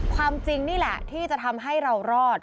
ความจริงนี่แหละที่จะทำให้เรารอด